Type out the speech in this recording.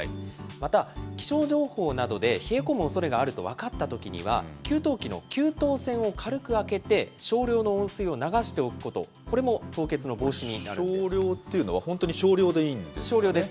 また気象情報などで冷え込むおそれがあると分かったときには、給湯器の給湯栓を軽く開けて、少量の温水を流しておくこと、これも少量っていうのは本当に少量少量です。